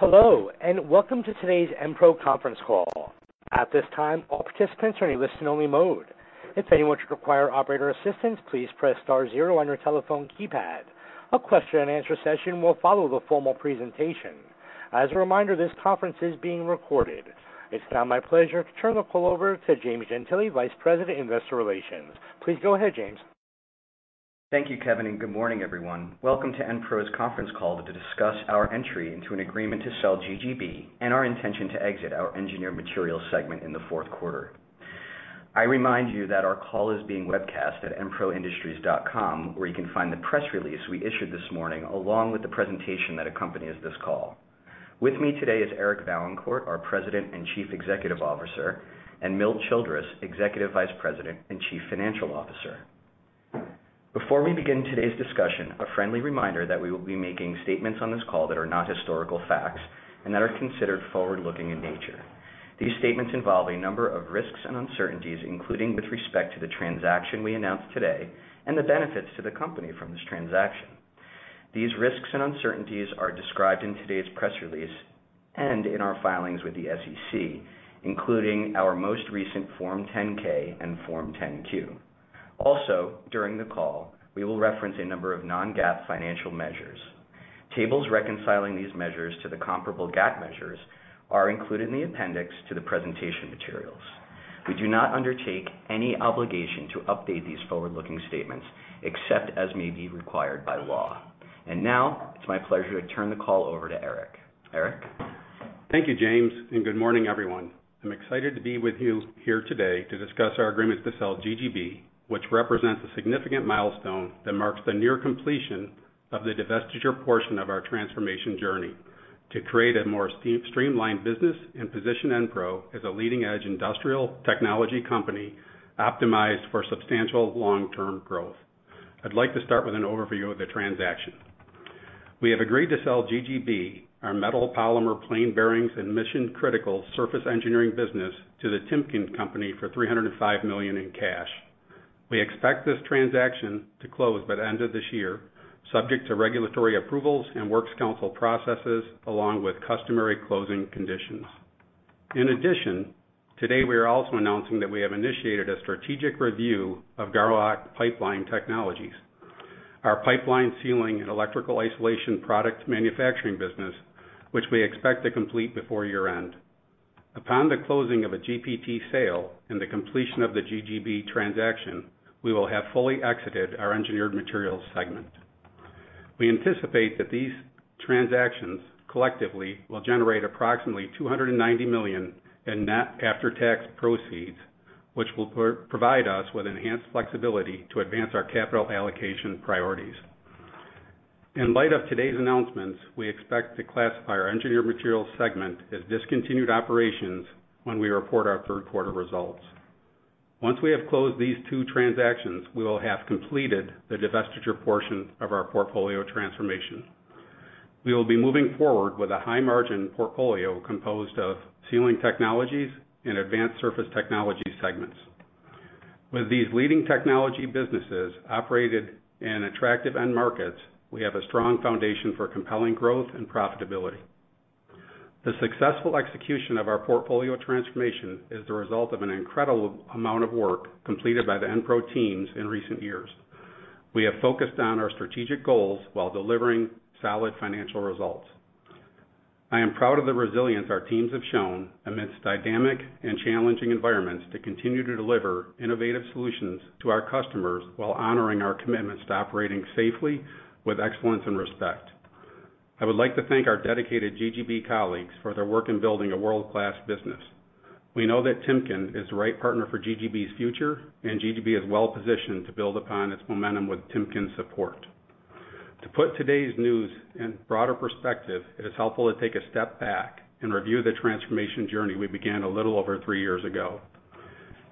Hello, and welcome to today's Enpro Conference Call. At this time, all participants are in a listen-only mode. If anyone should require operator assistance, please press star zero on your telephone keypad. A question-and-answer session will follow the formal presentation. As a reminder, this conference is being recorded. It's now my pleasure to turn the call over to James Gentile, Vice President, Investor Relations. Please go ahead, James. Thank you, Kevin, and good morning, everyone. Welcome to Enpro's conference call to discuss our entry into an agreement to sell GGB and our intention to exit our Engineered Materials segment in the fourth quarter. I remind you that our call is being webcast at enproindustries.com, where you can find the press release we issued this morning, along with the presentation that accompanies this call. With me today is Eric Vaillancourt, our President and Chief Executive Officer, and Milt Childress, Executive Vice President and Chief Financial Officer. Before we begin today's discussion, a friendly reminder that we will be making statements on this call that are not historical facts and that are considered forward-looking in nature. These statements involve a number of risks and uncertainties, including with respect to the transaction we announced today and the benefits to the company from this transaction. These risks and uncertainties are described in today's press release and in our filings with the SEC, including our most recent Form 10-K and Form 10-Q. Also, during the call, we will reference a number of non-GAAP financial measures. Tables reconciling these measures to the comparable GAAP measures are included in the appendix to the presentation materials. We do not undertake any obligation to update these forward-looking statements, except as may be required by law. And now, it's my pleasure to turn the call over to Eric. Eric? Thank you, James, and good morning, everyone. I'm excited to be with you here today to discuss our agreement to sell GGB, which represents a significant milestone that marks the near completion of the divestiture portion of our transformation journey to create a more streamlined business and position Enpro as a leading-edge industrial technology company optimized for substantial long-term growth. I'd like to start with an overview of the transaction. We have agreed to sell GGB, our metal-polymer plain bearings and mission-critical surface engineering business, to the Timken Company for $305 million in cash. We expect this transaction to close by the end of this year, subject to regulatory approvals and works council processes along with customary closing conditions. In addition, today we are also announcing that we have initiated a strategic review of Garlock Pipeline Technologies, our pipeline sealing and electrical isolation product manufacturing business, which we expect to complete before year-end. Upon the closing of a GPT sale and the completion of the GGB transaction, we will have fully exited our Engineered Materials segment. We anticipate that these transactions collectively will generate approximately $290 million in net after-tax proceeds, which will provide us with enhanced flexibility to advance our capital allocation priorities. In light of today's announcements, we expect to classify our Engineered Materials segment as discontinued operations when we report our third quarter results. Once we have closed these two transactions, we will have completed the divestiture portion of our portfolio transformation. We will be moving forward with a high-margin portfolio composed of Sealing Technologies and Advanced Surface Technologies segments. With these leading technology businesses operated in attractive end markets, we have a strong foundation for compelling growth and profitability. The successful execution of our portfolio transformation is the result of an incredible amount of work completed by the Enpro teams in recent years. We have focused on our strategic goals while delivering solid financial results. I am proud of the resilience our teams have shown amidst dynamic and challenging environments to continue to deliver innovative solutions to our customers while honoring our commitment to operating safely with excellence and respect. I would like to thank our dedicated GGB colleagues for their work in building a world-class business. We know that Timken is the right partner for GGB's future, and GGB is well-positioned to build upon its momentum with Timken's support. To put today's news in broader perspective, it is helpful to take a step back and review the transformation journey we began a little over three years ago.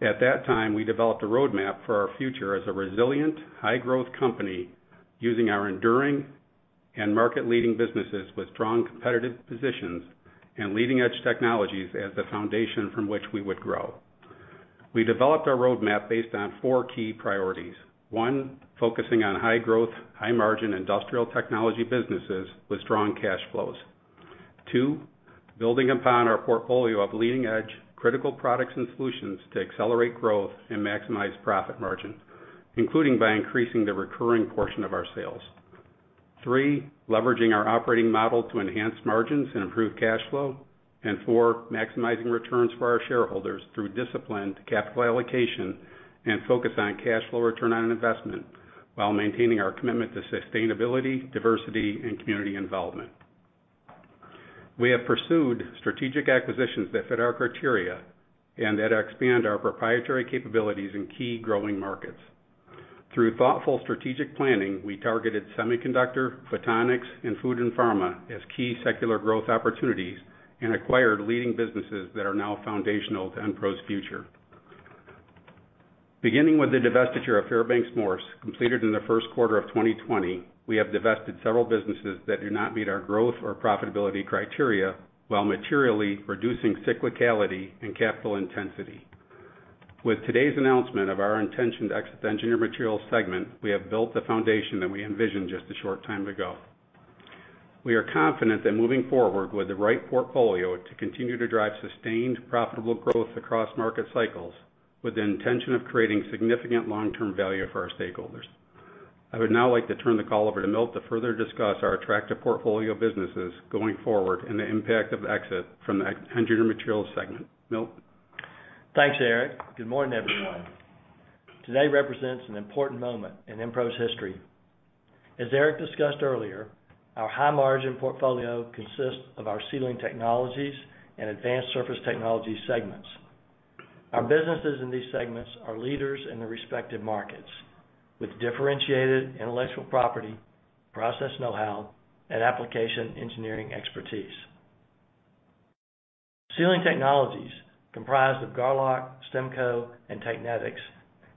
At that time, we developed a roadmap for our future as a resilient, high-growth company using our enduring and market-leading businesses with strong competitive positions and leading-edge technologies as the foundation from which we would grow. We developed our roadmap based on four key priorities. One, focusing on high-growth, high-margin industrial technology businesses with strong cash flows. Two, building upon our portfolio of leading-edge critical products and solutions to accelerate growth and maximize profit margins, including by increasing the recurring portion of our sales. Three, leveraging our operating model to enhance margins and improve cash flow. And four, maximizing returns for our shareholders through disciplined capital allocation and focus on cash flow return on investment while maintaining our commitment to sustainability, diversity, and community involvement. We have pursued strategic acquisitions that fit our criteria and that expand our proprietary capabilities in key growing markets. Through thoughtful strategic planning, we targeted semiconductor, photonics, and food and pharma as key secular growth opportunities and acquired leading businesses that are now foundational to Enpro's future. Beginning with the divestiture of Fairbanks Morse, completed in the first quarter of 2020, we have divested several businesses that do not meet our growth or profitability criteria while materially reducing cyclicality and capital intensity. With today's announcement of our intention to exit the Engineered Materials segment, we have built the foundation that we envisioned just a short time ago. We are confident that moving forward with the right portfolio to continue to drive sustained profitable growth across market cycles with the intention of creating significant long-term value for our stakeholders. I would now like to turn the call over to Milt to further discuss our attractive portfolio of businesses going forward and the impact of exit from the Engineered Materials segment. Milt? Thanks, Eric. Good morning, everyone. Today represents an important moment in Enpro's history. As Eric discussed earlier, our high-margin portfolio consists of our Sealing Technologies and Advanced Surface Technologies segments. Our businesses in these segments are leaders in their respective markets, with differentiated intellectual property, process know-how, and application engineering expertise. Sealing Technologies, comprised of Garlock, STEMCO, and Technetics,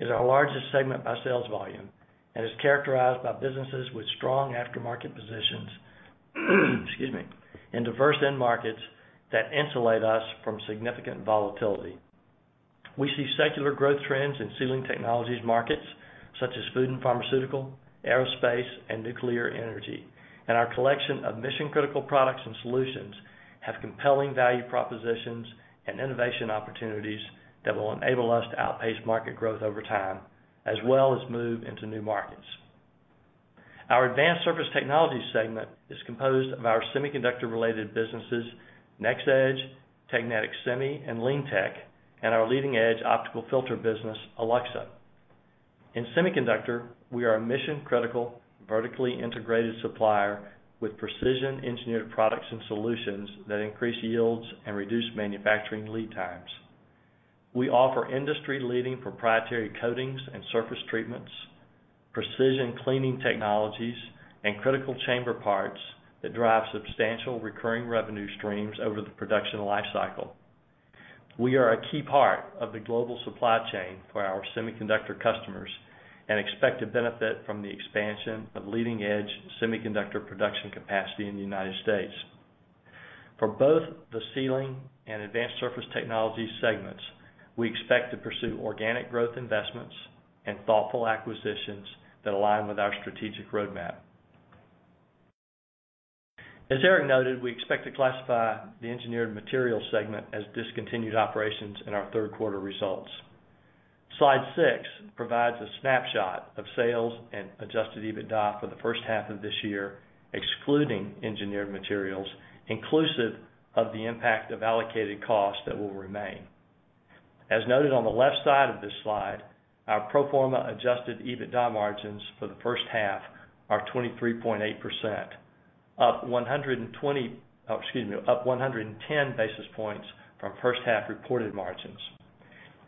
is our largest segment by sales volume and is characterized by businesses with strong aftermarket positions, excuse me, in diverse end markets that insulate us from significant volatility. We see secular growth trends in Sealing Technologies markets such as food and pharmaceutical, aerospace, and nuclear energy. Our collection of mission-critical products and solutions have compelling value propositions and innovation opportunities that will enable us to outpace market growth over time as well as move into new markets. Our Advanced Surface Technologies segment is composed of our semiconductor-related businesses NxEdge, Technetics Semi, and LeanTeq, and our leading-edge optical filter business, Alluxa. In semiconductor, we are a mission-critical, vertically integrated supplier with precision engineered products and solutions that increase yields and reduce manufacturing lead times. We offer industry-leading proprietary coatings and surface treatments, precision cleaning technologies, and critical chamber parts that drive substantial recurring revenue streams over the production life cycle. We are a key part of the global supply chain for our semiconductor customers and expect to benefit from the expansion of leading-edge semiconductor production capacity in the United States. For both the Sealing and Advanced Surface Technologies segments, we expect to pursue organic growth investments and thoughtful acquisitions that align with our strategic roadmap. As Eric noted, we expect to classify the Engineered Materials segment as discontinued operations in our third quarter results. Slide six provides a snapshot of sales and adjusted EBITDA for the first half of this year, excluding Engineered Materials, inclusive of the impact of allocated costs that will remain. As noted on the left side of this slide, our pro forma adjusted EBITDA margins for the first half are 23.8%, up 110 basis points from first half reported margins.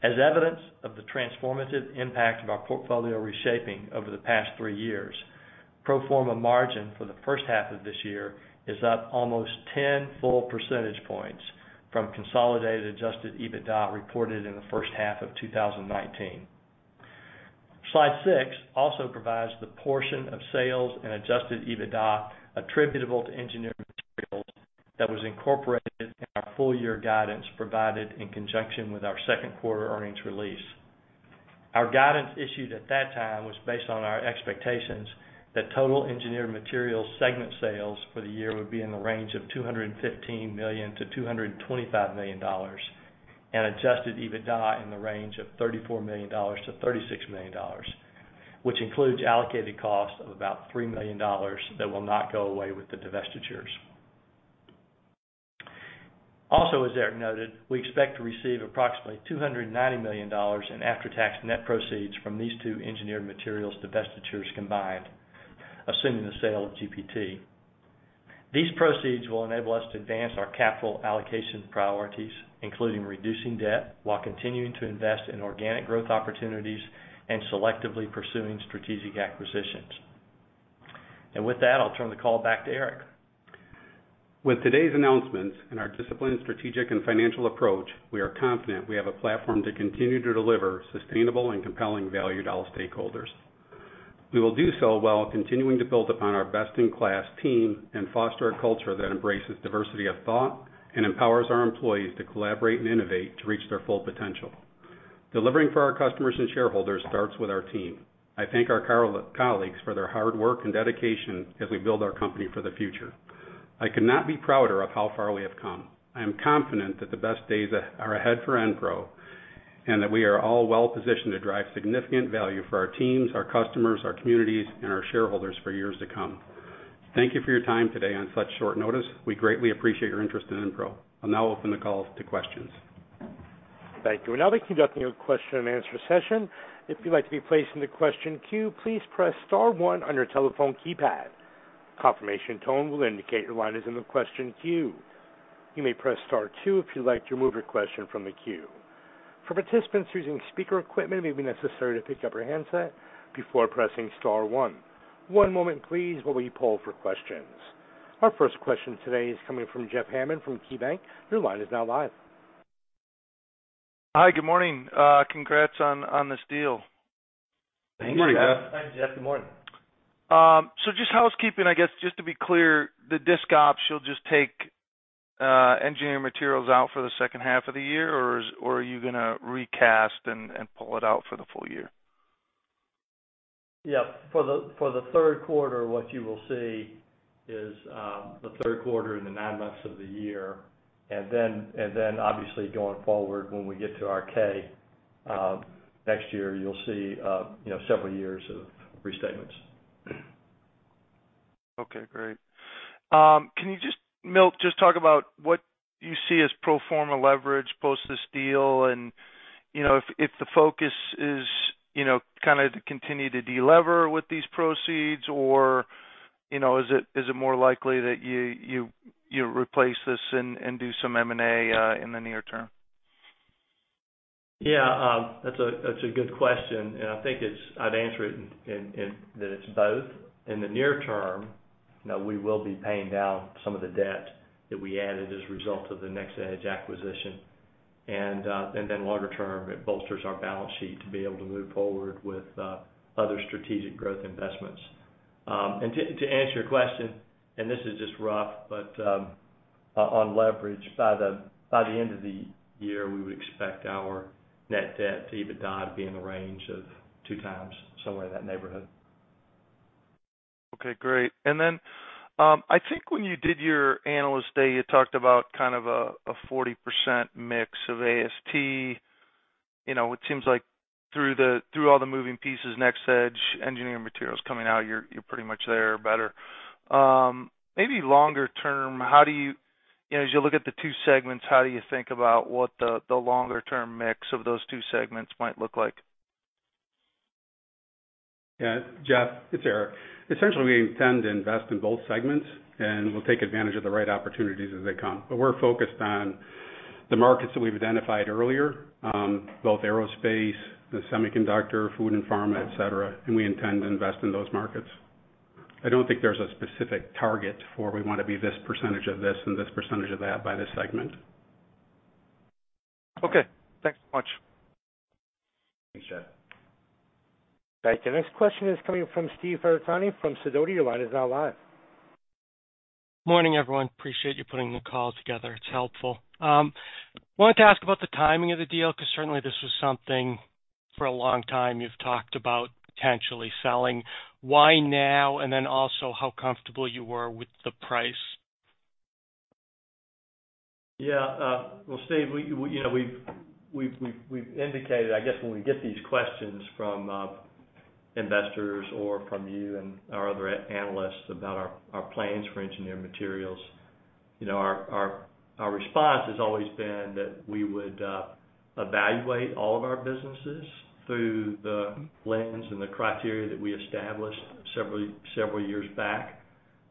As evidence of the transformative impact of our portfolio reshaping over the past three years, pro forma margin for the first half of this year is up almost 10 full percentage points from consolidated adjusted EBITDA reported in the first half of 2019. Slide six also provides the portion of sales and adjusted EBITDA attributable to Engineered Materials that was incorporated in our full year guidance provided in conjunction with our second quarter earnings release. Our guidance issued at that time was based on our expectations that total Engineered Materials segment sales for the year would be in the range of $215 million-$225 million and adjusted EBITDA in the range of $34 million-$36 million, which includes allocated costs of about $3 million that will not go away with the divestitures. Also, as Eric noted, we expect to receive approximately $290 million in after-tax net proceeds from these two Engineered Materials divestitures combined, assuming the sale of GPT. These proceeds will enable us to advance our capital allocation priorities, including reducing debt while continuing to invest in organic growth opportunities and selectively pursuing strategic acquisitions. With that, I'll turn the call back to Eric. With today's announcements and our disciplined strategic and financial approach, we are confident we have a platform to continue to deliver sustainable and compelling value to all stakeholders. We will do so while continuing to build upon our best-in-class team and foster a culture that embraces diversity of thought and empowers our employees to collaborate and innovate to reach their full potential. Delivering for our customers and shareholders starts with our team. I thank our colleagues for their hard work and dedication as we build our company for the future. I could not be prouder of how far we have come. I am confident that the best days are ahead for Enpro, and that we are all well positioned to drive significant value for our teams, our customers, our communities, and our shareholders for years to come. Thank you for your time today on such short notice. We greatly appreciate your interest in Enpro. I'll now open the call to questions. Thank you. We're now conducting a question-and-answer session. If you'd like to be placed in the question queue, please press star one on your telephone keypad. Confirmation tone will indicate your line is in the question queue. You may press star two if you'd like to remove your question from the queue. For participants using speaker equipment, it may be necessary to pick up your handset before pressing star one. One moment please, while we poll for questions. Our first question today is coming from Jeff Hammond from KeyBanc. Your line is now live. Hi, good morning. Congrats on this deal. Good morning, Jeff. Thanks, Jeff. Good morning. Just housekeeping, I guess, just to be clear, the disc ops, you'll just take Engineering Materials out for the second half of the year, or are you gonna recast and pull it out for the full year? Yeah. For the third quarter, what you will see is the third quarter and the nine months of the year. And then obviously going forward when we get to our 10-K next year, you'll see, you know, several years of restatements. Okay, great. Can you, Milt, just talk about what you see as pro forma leverage post this deal and, you know, if the focus is, you know, kind of continue to delever with these proceeds or, you know, is it more likely that you replace this and do some M&A in the near term? Yeah. That's a good question, and I think I'd answer it in that it's both. In the near term, you know, we will be paying down some of the debt that we added as a result of the NxEdge acquisition. Longer term, it bolsters our balance sheet to be able to move forward with other strategic growth investments. And to answer your question, and this is just rough, but on leverage by the end of the year, we would expect our net debt to EBITDA to be in the range of 2x, somewhere in that neighborhood. Okay, great. And then I think when you did your analyst day, you talked about kind of a 40% mix of AST. You know, it seems like through all the moving pieces, NxEdge Engineered Materials coming out, you're pretty much there or better. Maybe longer term, how do you. You know, as you look at the two segments, how do you think about what the longer term mix of those two segments might look like? Yeah. Jeff, it's Eric. Essentially, we intend to invest in both segments, and we'll take advantage of the right opportunities as they come. But we're focused on the markets that we've identified earlier, both aerospace, the semiconductor, food and pharma, et cetera. We intend to invest in those markets. I don't think there's a specific target for we wanna be this percentage of this and this percentage of that by this segment. Okay. Thanks so much. Thanks, Jeff. Right. The next question is coming from Steve Ferazani from Sidoti. Your line is now live. Morning, everyone. Appreciate you putting the call together. It's helpful. Wanted to ask about the timing of the deal, 'cause certainly this was something for a long time you've talked about potentially selling. Why now? And then also, how comfortable you were with the price? Yeah. Well, Steve, you know, we've indicated, I guess, when we get these questions from investors or from you and our other analysts about our plans for Engineered Materials, you know, our response has always been that we would evaluate all of our businesses through the lens and the criteria that we established several years back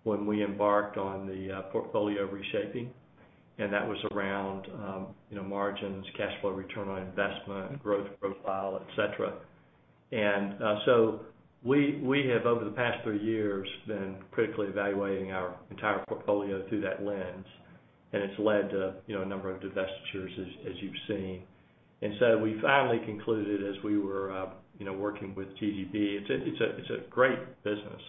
when we embarked on the portfolio reshaping. That was around, you know, margins, cash flow return on investment, growth profile, et cetera. And so we have over the past three years been critically evaluating our entire portfolio through that lens, and it's led to, you know, a number of divestitures as you've seen. And so we finally concluded as we were, you know, working with GPT. It's a great business.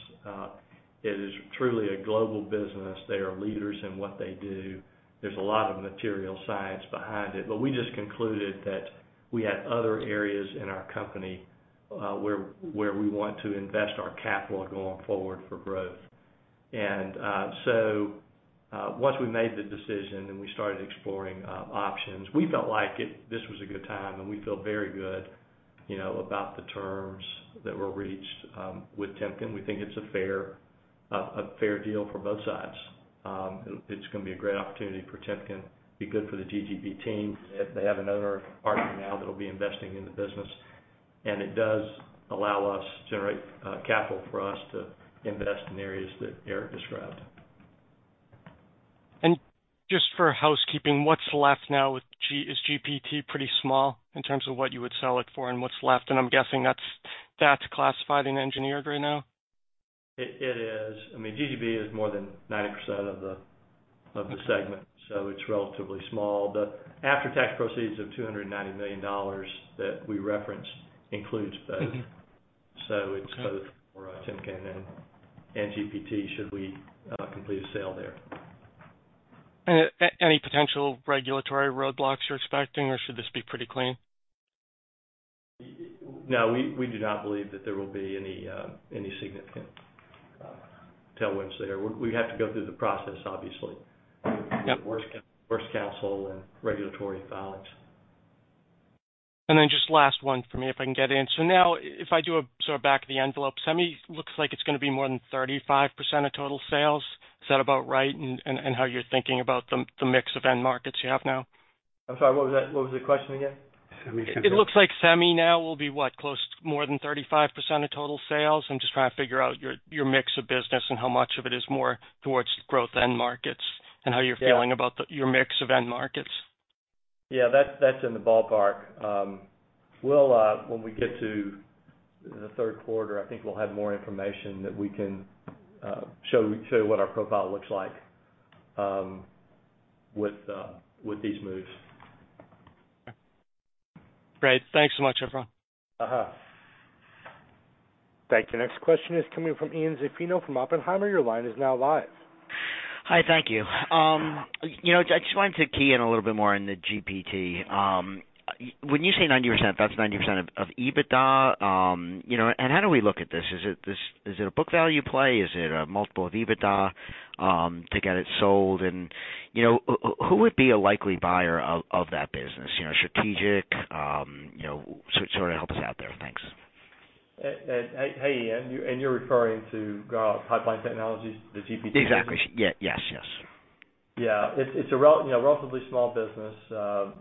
It is truly a global business. They are leaders in what they do. There's a lot of materials science behind it. We just concluded that we had other areas in our company where we want to invest our capital going forward for growth. And so once we made the decision and we started exploring options, we felt like this was a good time, and we feel very good, you know, about the terms that were reached with Timken. We think it's a fair deal for both sides. It's gonna be a great opportunity for Timken. Be good for the GPT team. They have another partner now that'll be investing in the business. And it does allow us to generate capital for us to invest in areas that Eric described. Just for housekeeping, what's left now with GGB? Is GPT pretty small in terms of what you would sell it for and what's left? I'm guessing that's classified in Engineered right now. It is. I mean, GGB is more than 90% of the segment, so it's relatively small. The after-tax proceeds of $290 million that we referenced includes both. So it's both for Timken and GPT should we complete a sale there. Any potential regulatory roadblocks you're expecting, or should this be pretty clean? No, we do not believe that there will be any significant tailwinds there. We have to go through the process, obviously. Yeah. With our outside counsel and regulatory filings. And just last one for me, if I can get in. Now if I do a sort of back of the envelope, semi looks like it's gonna be more than 35% of total sales. Is that about right in how you're thinking about the mix of end markets you have now? I'm sorry, what was that? What was the question again? Semi content. It looks like semi now will be what? Close to more than 35% of total sales. I'm just trying to figure out your mix of business and how much of it is more towards growth end markets and how you're feeling. Yeah. About your mix of end markets. Yeah, that's in the ballpark. We'll, when we get to the third quarter, I think we'll have more information that we can show what our profile looks like with these moves. Great. Thanks so much, everyone. Uh-huh. Thank you. Next question is coming from Ian Zaffino from Oppenheimer. Your line is now live. Hi. Thank you. You know, I just wanted to key in a little bit more on the GPT. When you say 90%, that's 90% of EBITDA. You know, how do we look at this? Is it a book value play? Is it a multiple of EBITDA to get it sold? You know, who would be a likely buyer of that business, you know, strategic? Sort of help us out there. Thanks. Hey, Ian, you're referring to Pipeline Technologies, the GPT? Exactly. Yes. Yes. Yeah. It's a relatively small business.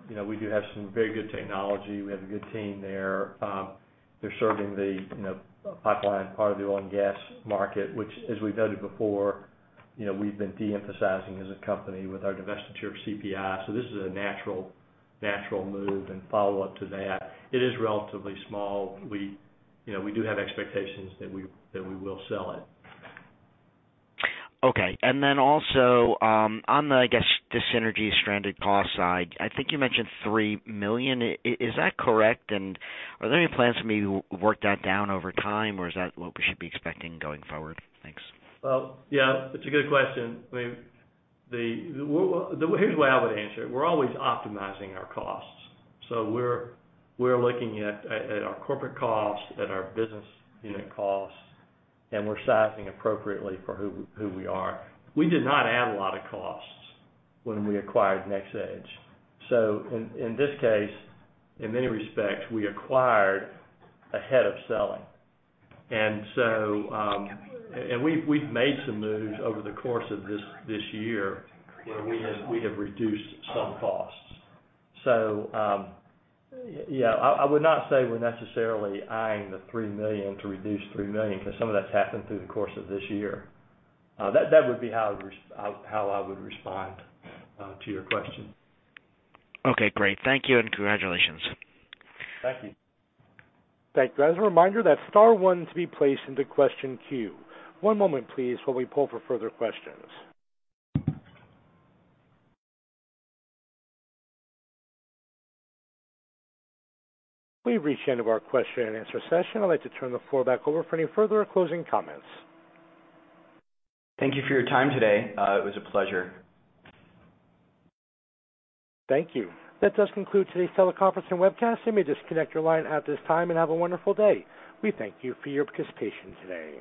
You know, we do have some very good technology. We have a good team there. They're serving the pipeline part of the oil and gas market, which as we've noted before, you know, we've been de-emphasizing as a company with our divestiture of CPI. This is a natural move and follow-up to that. It is relatively small. You know, we have expectations that we will sell it. Okay. And then also on the, I guess, dis-synergy stranded cost side, I think you mentioned $3 million. Is that correct? Are there any plans to maybe work that down over time, or is that what we should be expecting going forward? Thanks. Well, yeah, it's a good question. I mean, here's the way I would answer it. We're always optimizing our costs. We're looking at our corporate costs, at our business unit costs, and we're sizing appropriately for who we are. We did not add a lot of costs when we acquired NxEdge. So in this case, in many respects, we acquired ahead of selling. And so we've made some moves over the course of this year, you know, we have reduced some costs. So. Yeah, I would not say we're necessarily eyeing the $3 million to reduce $3 million because some of that's happened through the course of this year. That would be how I would respond to your question. Okay, great. Thank you, and congratulations. Thank you. Thank you. As a reminder, that's star one to be placed into question queue. One moment, please, while we pull for further questions. We've reached the end of our question and answer session. I'd like to turn the floor back over for any further closing comments. Thank you for your time today. It was a pleasure. Thank you. That does conclude today's teleconference and webcast. You may disconnect your line at this time and have a wonderful day. We thank you for your participation today.